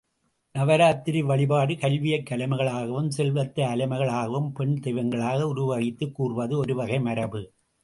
நவராத்திரி வழிபாடு கல்வியைக் கலைமகள் ஆகவும், செல்வத்தை அலைமகள் ஆகவும் பெண் தெய்வங்களாக உருவகித்துக் கூறுவது ஒருவகை மரபு.